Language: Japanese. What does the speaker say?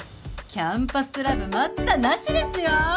キャンパスラブ待ったなしですよ